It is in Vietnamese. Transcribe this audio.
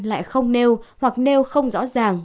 lại không nêu hoặc nêu không rõ ràng